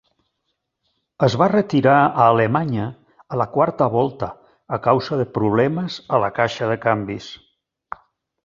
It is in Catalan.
Es va retirar a Alemanya a la quarta volta a causa de problemes a la caixa de canvis.